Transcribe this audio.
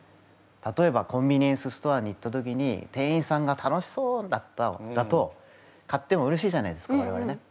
例えばコンビニエンスストアに行った時に店員さんが楽しそうだと買ってもうれしいじゃないですか我々ね。